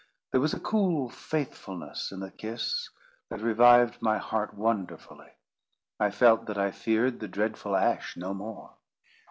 There was a cool faithfulness in the kiss that revived my heart wonderfully. I felt that I feared the dreadful Ash no more.